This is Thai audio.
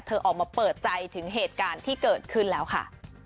ออกมาเปิดใจถึงเหตุการณ์ที่เกิดขึ้นแล้วค่ะ